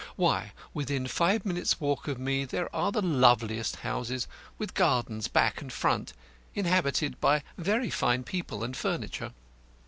Why, within five minutes' walk of me there are the loveliest houses, with gardens back and front, inhabited by very fine people and furniture.